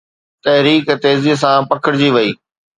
تحريڪ تيزيءَ سان پکڙجي وئي